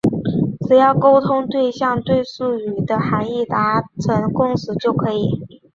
只要沟通对象对术语的含义达成共识就可以。